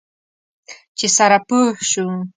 چې سره پوه شو.